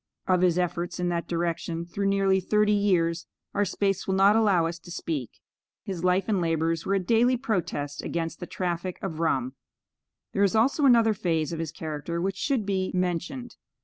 Of his efforts in that direction through nearly thirty years, our space will not allow us to speak. His life and labors were a daily protest against the traffic of rum. There is also another phase of his character which should be mentioned.